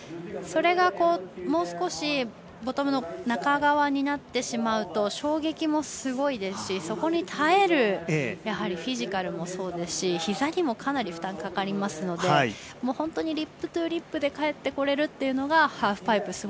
それが、もう少しボトムの中側になってしまうと衝撃もすごいですしそこに耐えるフィジカルもそうですしひざにもかなり負担かかるので本当にリップトゥリップで帰ってこれるというのがハーフパイプ